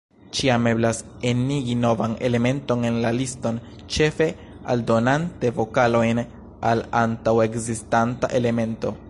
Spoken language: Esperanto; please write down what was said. Ĉiam eblas enigi novan elementon en la liston, ĉefe aldonante vokalojn al antaŭ-ekzistanta elemento.